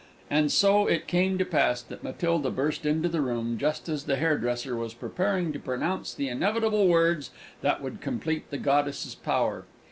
And so it came to pass that Matilda burst into the room just as the hairdresser was preparing to pronounce the inevitable words that would complete the goddess's power.